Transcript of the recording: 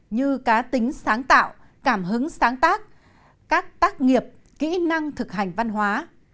như cá tính sáng tạo cảm hứng sáng tác các tác nghiệp kỹ năng thực hành văn hóa